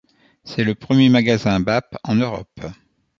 C'est le premier magasin Bape en Europe.